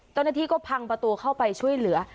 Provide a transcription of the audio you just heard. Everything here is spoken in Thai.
เจ้าหน้าที่ก็พังประตูเข้าไปช่วยเหลือ